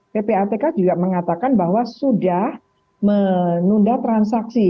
ppatk juga mengatakan bahwa sudah menunda transaksi